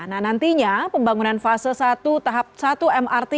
nah nantinya pembangunan fase satu tahap satu mrt